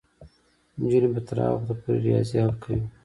نجونې به تر هغه وخته پورې ریاضي حل کوي.